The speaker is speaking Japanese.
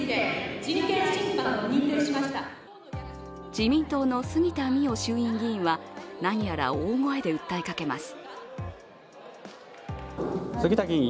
自民党の杉田水脈衆院議員は何やら大声で訴えかけます。